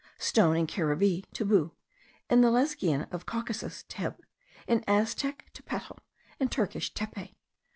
Stone, in Caribbee, tebou; in the Lesgian of Caucasus, teb; in Aztec, tepetl; in Turkish, tepe.